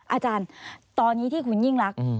อาจารย์ตอนนี้ที่คุณยิ่งรัก